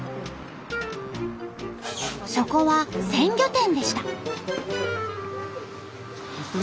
そこは鮮魚店でした。